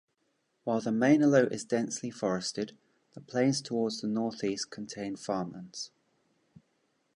While the Mainalo is densely forested, the plains towards the northeast contain farmlands.